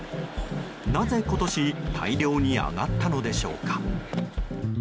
なぜ今年大漁に揚がったのでしょうか。